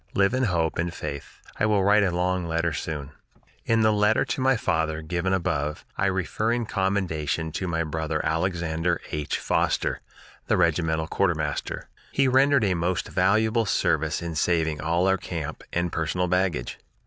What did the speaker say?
Live in hope and faith. I will write a long letter soon." In the letter to my father, given above, I refer in commendation to my brother Alexander H. Foster, the regimental quartermaster. He rendered a most valuable service in saving all our camp and personal baggage.